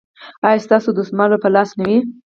ایا ستاسو دستمال به په لاس نه وي؟